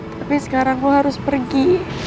tapi sekarang aku harus pergi